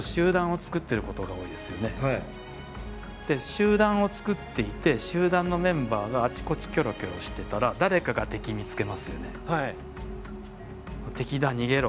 集団を作っていて集団のメンバーがあちこちキョロキョロしてたら「敵だ逃げろ」。